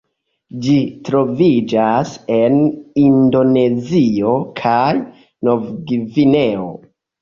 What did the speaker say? Ĝi troviĝas en Indonezio kaj Novgvineo.